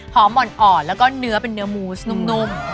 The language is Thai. หอมอ่อนแล้วก็เนื้อเป็นเนื้อมูสนุ่ม